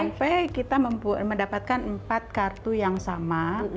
sampai kita mendapatkan empat kartu yang sama